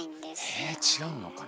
え違うのかな。